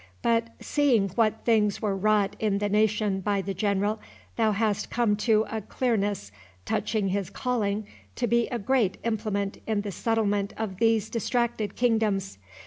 But seeing what things were wrought in the nation by the General, thou hast come to a clearness touching his calling to be a great implement in the settlement of these distracted kingdoms.